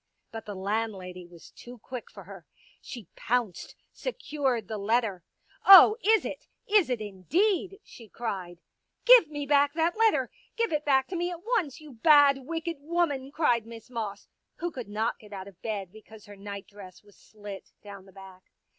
But the landlady was too quick for her. She pounced, secured the letter. " Oh, is it ! Is it indeed !" she cried. *' Give me back that letter. Give it back to me at once, you bad, wicked woman," cried Miss Moss, who could not get out of bed because her night dress was slit down the back.